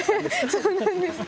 そうなんです。